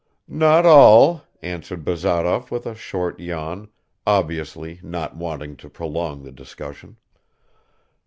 "Not all," answered Bazarov with a short yawn, obviously not wanting to prolong the discussion.